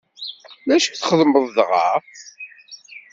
D acu txedmeḍ dɣa?